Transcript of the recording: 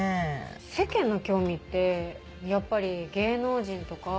世間の興味ってやっぱり芸能人とか。